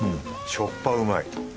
しょっぱうまい。